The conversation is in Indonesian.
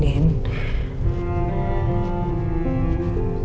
tapi setelah mama pikir pikir